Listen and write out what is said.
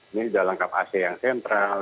ini sudah lengkap ac yang sentral